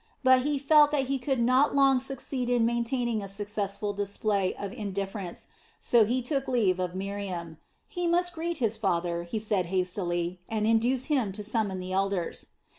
But he felt that he could not long succeed in maintaining a successful display of indifference, so he took leave of Miriam. He must greet his father, he said hastily, and induce him to summon the elders.